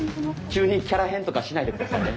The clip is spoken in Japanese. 急にキャラ変とかしないで下さいね。